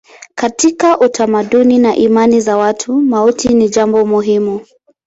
Katika utamaduni na imani za watu mauti ni jambo muhimu.